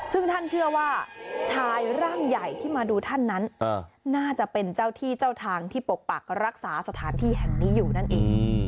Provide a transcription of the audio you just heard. ซึ่งท่านเชื่อว่าชายร่างใหญ่ที่มาดูท่านนั้นน่าจะเป็นเจ้าที่เจ้าทางที่ปกปักรักษาสถานที่แห่งนี้อยู่นั่นเอง